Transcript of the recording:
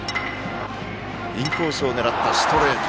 インコースを狙ったストレート。